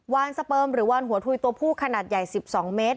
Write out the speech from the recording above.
วานสเปิมหรือวานหัวทุยตัวผู้ขนาดใหญ่๑๒เมตร